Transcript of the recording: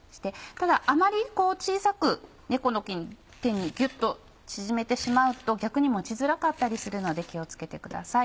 ただあまり小さく猫の手にギュっと縮めてしまうと逆に持ちづらかったりするので気を付けてください。